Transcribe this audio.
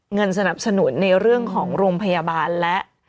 เงินสนับสนุนในเรื่องของโรงพยาบาลและ